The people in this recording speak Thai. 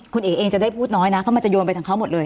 คุณเอ๋เองจะได้พูดน้อยนะเพราะมันจะโยนไปทางเขาหมดเลย